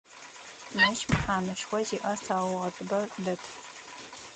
Мыщ мэхьанэшхо зиӏэ саугъэтыбэ дэт.